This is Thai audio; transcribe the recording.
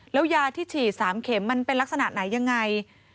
แล้วยาที่ฉีด๓เข็มมันเป็นลักษณะไหนยังไง